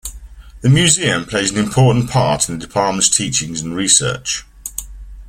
The Museum plays an important part in the Department's teaching and research.